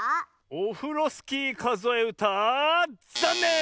「オフロスキーかぞえうた」ざんねん！